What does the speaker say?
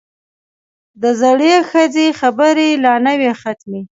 د زړې ښځې خبرې لا نه وې ختمې.